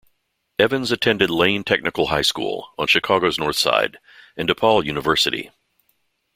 Evans attended Lane Technical High School on Chicago's North Side and DePaul University.